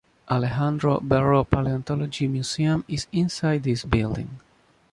Alejandro Berro Paleontology Museum is inside this building.